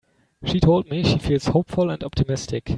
She told me she feels hopeful and optimistic.